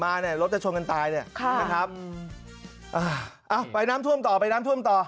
มาเนี้ยรถจะชนกันตายเนี้ยค่ะนะครับอ้าวไปน้ำท่วมต่อ